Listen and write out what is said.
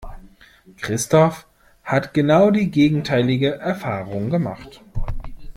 Christoph hat genau die gegenteilige Erfahrung gemacht.